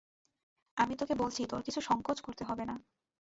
আমি তোকে বলছি তোর কিছু সংকোচ করতে হবে না।